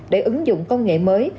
để ứng dụng công nghệ mới